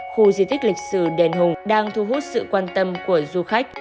khu di tích lịch sử đền hùng đang thu hút sự quan tâm của du khách